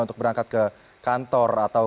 untuk berangkat ke kantor atau